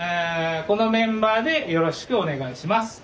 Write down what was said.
このメンバーでよろしくお願いします。